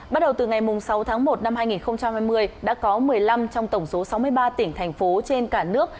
bắt đầu từ ngày sáu tháng một năm hai nghìn hai mươi đã có một mươi năm trong tổng số sáu mươi ba tỉnh thành phố trên cả nước